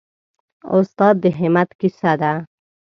استاد د همت کیسه ده.